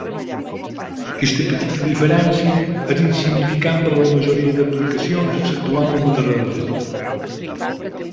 Aquesta petita diferència és insignificant per a la majoria d'aplicacions exceptuant la meteorologia.